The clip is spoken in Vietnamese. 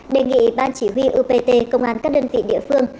đề nghị ban chỉ huy upt công an các đơn vị địa phương